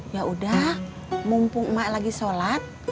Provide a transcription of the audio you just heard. yaudah mumpung mak lagi sholat